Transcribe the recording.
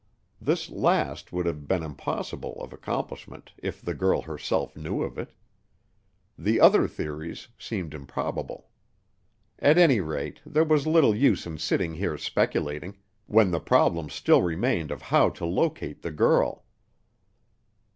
This last would have been impossible of accomplishment if the girl herself knew of it. The other theories seemed improbable. At any rate, there was little use in sitting here speculating, when the problem still remained of how to locate the girl.